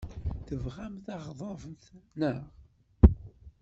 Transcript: Tebɣam taɣdemt, naɣ?